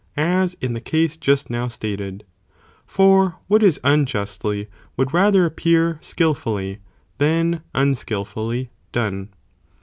as in the case just now stated,* for what is unjustly, would rather appear i ieee skilfully, than unskilfully, (done).